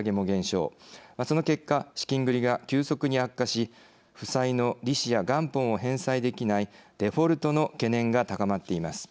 その結果資金繰りが急速に悪化し負債の利子や元本を返済できないデフォルトの懸念が高まっています。